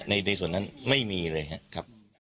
ในส่วนนั้นไม่มีเลยครับ